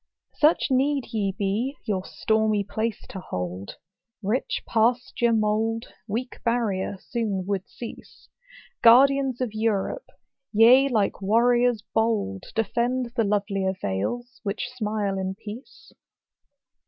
Such need ye be, your stormy place to hold : Rich pasture mould, weak barrier, soon would cease. Guardians of Europe! ye, like warriors bold, Defend the lovelier vales, which smile in peace.